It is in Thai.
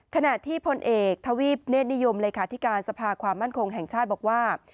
ขณะที่พลเอกทวีปเนธนิยมเลขาธิการสภาความมั่นคงแห่งชาติบอกว่า